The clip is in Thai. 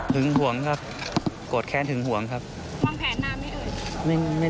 ห่วงครับโกรธแค้นถึงห่วงครับวางแผนนานไหมเอ่ย